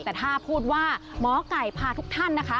แต่ถ้าพูดว่าหมอไก่พาทุกท่านนะคะ